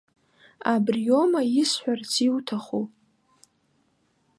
Абриоума исҳәарц иуҭаху?